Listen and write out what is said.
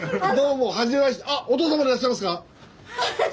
お父様でいらっしゃいますか？